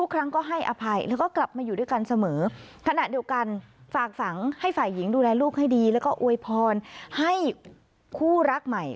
ขณะเดียวกันฝากฝังให้ฝ่ายหญิงดูแลลูกให้ดีแล้วก็อวยพรให้คู่รักใหม่